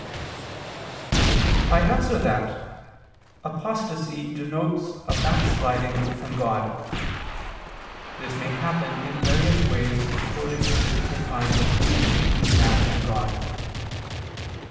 I answer that, Apostasy denotes a backsliding from God. This may happen in various ways according to the different kinds of union between man and God.